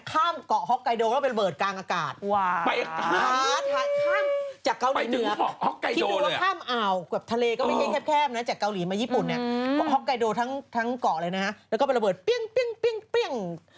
ข้ามเกาะฮ็อกไกโดแล้วไประเบิดกลางอากาศนึงทิ้งมาฮ็อกไกโดเลยฮ๊าจากเกาหลีเหนือ